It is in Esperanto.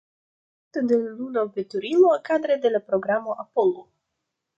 Kreinto de luna veturilo kadre de la Programo Apollo.